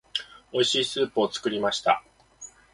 美味しいスープを作りました。